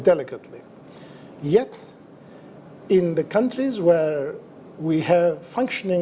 di mana kita memiliki demokrasi yang berfungsi